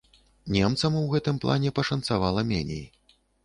Немцам у гэтым плане пашанцавала меней.